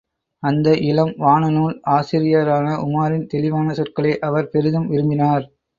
அந்த இளம் வானநூல் ஆசிரியரான உமாரின் தெளிவான சொற்களை அவர் பெரிதும் விரும்பினார்.